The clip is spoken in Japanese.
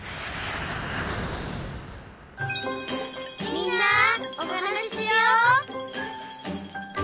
「みんなおはなししよう」